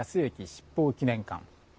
七宝記念館。